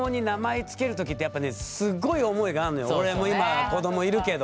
俺も今子どもいるけど。